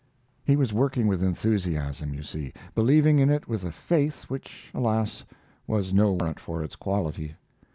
He was working with enthusiasm, you see, believing in it with a faith which, alas, was no warrant for its quality.